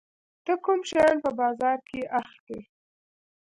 ته کوم شیان په بازار کې اخلي؟